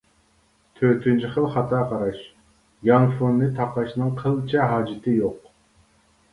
تۆتىنچى خىل خاتا قاراش: يانفوننى تاقاشنىڭ قىلچە ھاجىتى يوق.